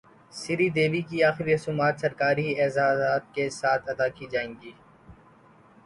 سری دیوی کی اخری رسومات سرکاری اعزاز کے ساتھ ادا کی جائیں گی